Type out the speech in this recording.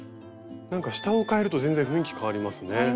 なんか下をかえると全然雰囲気変わりますね。